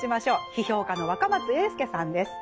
批評家の若松英輔さんです。